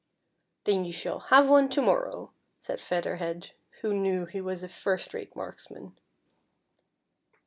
" Then you shall have one to morrow," said Feather Head, who knew he was a first rate marksman.